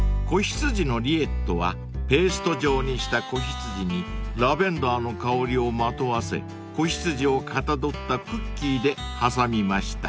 ［仔羊のリエットはペースト状にした子羊にラベンダーの香りをまとわせ子羊をかたどったクッキーで挟みました］